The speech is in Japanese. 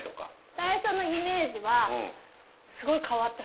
最初のイメージは。